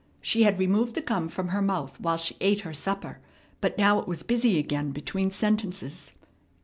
She had removed the gum from her mouth while she ate her supper, but now it was busy again between sentences.